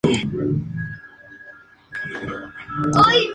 Así son los pensamientos del alma